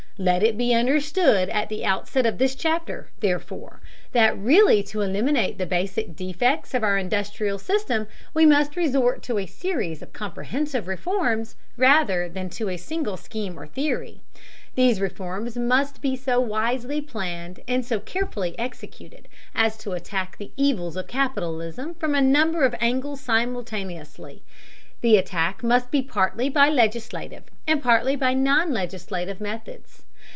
Let it be understood at the outset of this chapter, therefore, that really to eliminate the basic defects of our industrial system we must resort to a series of comprehensive reforms rather than to a single scheme or theory. These reforms must be so wisely planned and so carefully executed as to attack the evils of capitalism from a number of angles simultaneously. The attack must be partly by legislative, and partly by non legislative methods.